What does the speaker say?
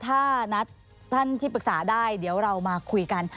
ถ้านัดท่านที่ปรึกษาได้เดี๋ยวเรามาคุยกัน